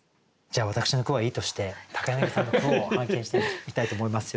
じゃあ私の句はいいとして柳さんの句を拝見していきたいと思います。